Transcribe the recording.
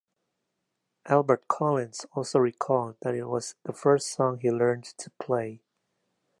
Albert Collins also recalled that it was the first song he learned to play.